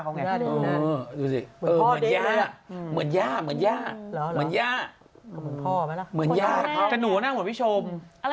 กะหนูโหวนบิโชม